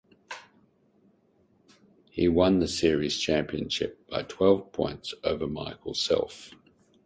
He won the series championship by twelve points over Michael Self.